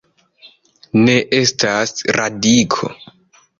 Ne estas radiko.